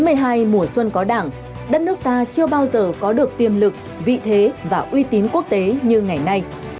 trong hai mươi hai mùa xuân có đảng đất nước ta chưa bao giờ có được tiềm lực vị thế và uy tín quốc tế như ngày nay